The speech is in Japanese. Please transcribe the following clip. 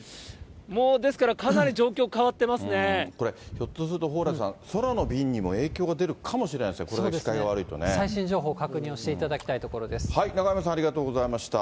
もう、ですからかなり状況変わっひょっとすると蓬莱さん、空の便にも影響が出るかもしれないですね、最新情報、確認をしていただ中山さん、ありがとうございました。